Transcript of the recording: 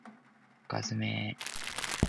深爪